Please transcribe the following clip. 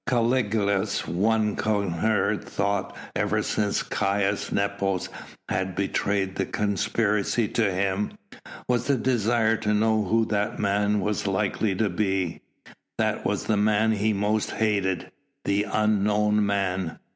Caligula's one coherent thought ever since Caius Nepos had betrayed the conspiracy to him, was the desire to know who that man was likely to be. That was the man he most hated the unknown man.